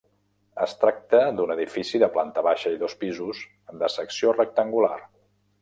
Es tracta d'un edifici de planta baixa i dos pisos, de secció rectangular.